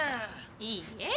いいえ。